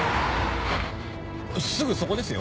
すぐそこですよ？